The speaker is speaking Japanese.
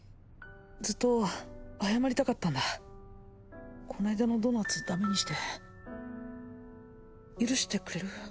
ずっと謝りたかったんだこないだのドーナツダメにして許してくれる？